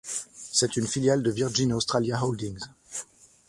C'est une filiale de Virgin Australia Holdings.